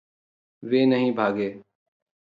वे नहीं भागे।